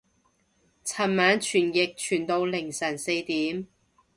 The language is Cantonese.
尋晚傳譯傳到凌晨四點